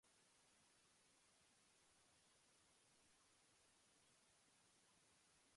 In the beginning, Sarah and Emily arrived at the beach town filled with excitement.